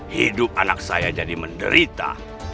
hidup anak saya jadi menderita